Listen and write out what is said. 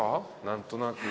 何となく。